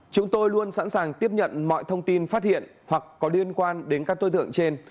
chúng tôi luôn sẵn sàng tiếp nhận mọi thông tin phát hiện hoặc có liên quan đến các đối tượng trên